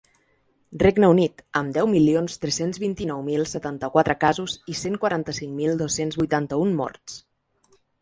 Regne Unit, amb deu milions tres-cents vint-i-nou mil setanta-quatre casos i cent quaranta-cinc mil dos-cents vuitanta-un morts.